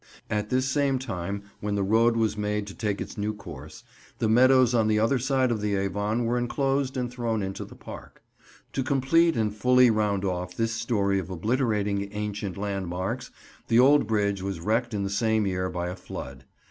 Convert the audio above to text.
At this same time when the road was made to take its new course, the meadows on the other side of the Avon were enclosed and thrown into the park. To complete and fully round off this story of obliterating ancient landmarks, the old bridge was wrecked in the same year by a flood.